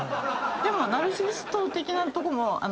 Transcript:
でもナルシシスト的なとこも。